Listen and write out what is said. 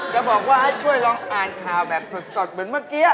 จะบอกว่าให้ช่วยลองอ่านข่าวแบบสดเหมือนเมื่อกี้